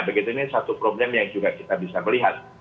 begitu ini satu problem yang juga kita bisa melihat